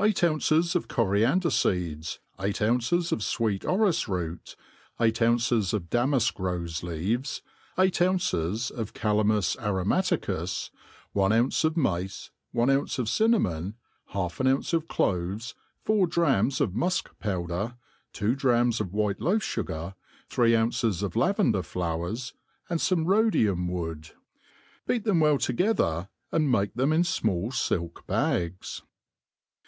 EIGHT ounces of coriander feeds, eight ounces of fweet 6rx\c€'t6oty eight ouiices of d^mafk rofe leaves, eight ounces of calamus aromaticus, one ounce of mace, one ounce of cin namon, half an ounce of cloves, four drachms of mu(k*pow< der, two drachms of White loaf fugar^ three ounces of laven* aer flowers, and fome Rhodium wood ; beat them well toge* thef, ^nd ttiake theni in fmall filk bags.